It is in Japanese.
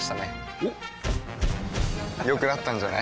おっ良くなったんじゃない？